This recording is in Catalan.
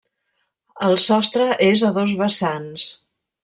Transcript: El sostre és a dos vessants.